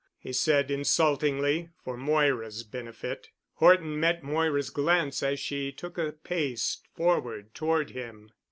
he said insultingly, for Moira's benefit. Horton met Moira's glance as she took a pace forward toward him.